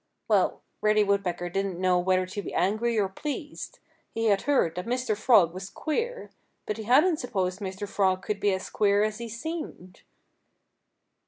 Well, Reddy Woodpecker didn't know whether to be angry or pleased. He had heard that Mr. Frog was queer. But he hadn't supposed Mr. Frog could be as queer as he seemed.